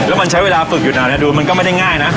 แล้วมันใช้เวลาฝึกอยู่นานดูมันก็ไม่ได้ง่ายนะ